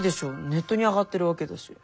ネットに上がってるわけだし。